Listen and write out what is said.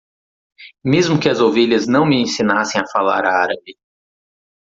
Mesmo que as ovelhas não me ensinassem a falar árabe.